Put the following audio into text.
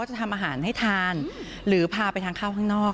จะทำอาหารให้ทานหรือพาไปทานข้าวข้างนอก